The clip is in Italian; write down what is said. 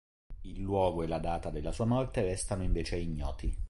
Il luogo e la data della sua morte restano invece ignoti.